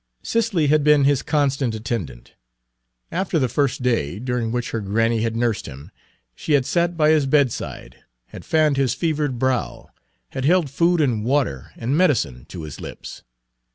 Cicely had been his constant attendant. After the first day, during which her granny had nursed him, she had sat by his bedside, had fanned his fevered brow, had held food and water and medicine to his lips.